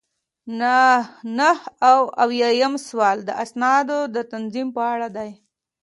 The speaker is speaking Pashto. نهه اویایم سوال د اسنادو د تنظیم په اړه دی.